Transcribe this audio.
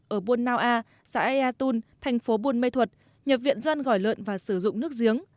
ở buôn nao a xã ea tun tp buôn ma thuật nhập viện doan gỏi lợn và sử dụng nước giếng